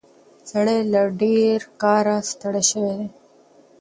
سړی له ډېر کاره ستړی شوی دی.